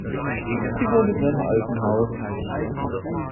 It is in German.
Sie wohnt in ihrem alten Haus.